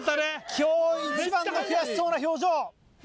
今日一番の悔しそうな表情。